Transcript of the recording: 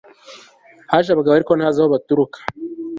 haje abagabo ariko ntazi aho baturuka